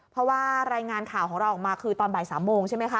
เพราะว่ารายงานข่าวของเราออกมาคือตอนบ่าย๓โมงใช่ไหมคะ